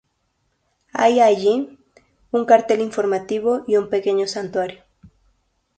Hay allí un cartel informativo y un pequeño santuario.